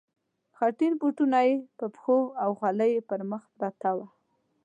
خټین بوټونه یې په پښو او خولۍ یې پر مخ پرته وه.